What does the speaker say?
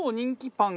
パン？